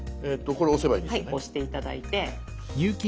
押して頂いて。